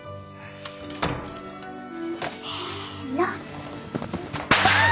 せの。